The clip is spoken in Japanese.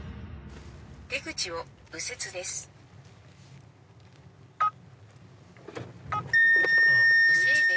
「出口を右折です」ああ。